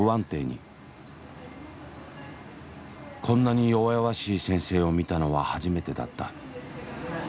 こんなに弱々しい先生を見たのは初めてだった。